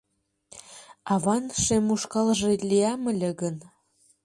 Аван шем ушкалже лиям ыле гын